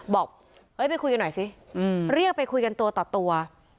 บอกเฮ้ยไปคุยกันหน่อยสิเรียกไปคุยกันตัวต่อตัว